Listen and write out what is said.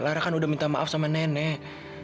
lara kan udah minta maaf sama nenek